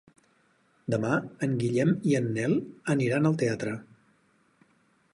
Demà en Guillem i en Nel aniran al teatre.